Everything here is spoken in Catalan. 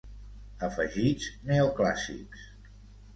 Afegits neoclàssics.